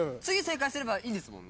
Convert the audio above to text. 次正解すればいい。